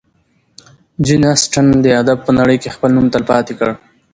جین اسټن د ادب په نړۍ کې خپل نوم تلپاتې کړ.